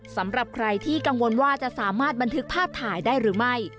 สำหรับใครที่กังวลว่าจะสามารถบันทึกภาพถ่ายได้หรือไม่